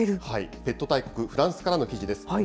ペット大国、フランスからの記事です。